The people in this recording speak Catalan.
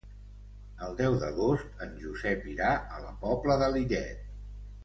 El deu d'agost en Josep irà a la Pobla de Lillet.